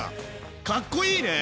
かっこいいね！